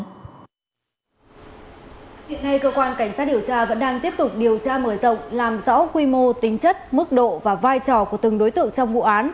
hiện nay cơ quan cảnh sát điều tra vẫn đang tiếp tục điều tra mở rộng làm rõ quy mô tính chất mức độ và vai trò của từng đối tượng trong vụ án